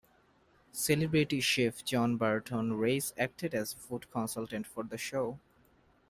Celebrity chef John Burton Race acted as food consultant for the show.